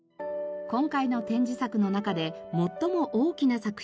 今回の展示作の中で最も大きな作品がこちら。